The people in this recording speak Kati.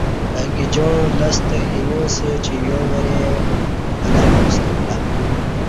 اہ گہ جاعں لستہ اینہ اسہ چہ یا وریں ولہ واستہ بولہ